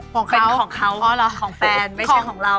เป็นของเขาเป็นของแฟนไม่ใช่ของเรา